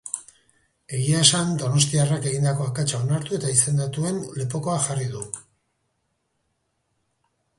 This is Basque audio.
Egia esan, donostiarrak egindako akatsa onartu eta izendatuen lepokoa jarri du.